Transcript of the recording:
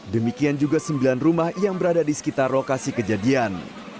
demikian juga sembilan rumah yang berada di sekitar lokasi kejadian